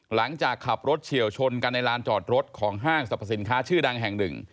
หลังจากขับรถเฉียวชนกันในลานจอดรถของห้างสรรพสินค้าชื่อดังแห่งหนึ่ง